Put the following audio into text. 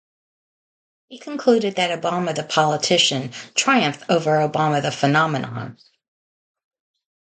He concluded that Obama the politician triumphed over Obama the phenomenon.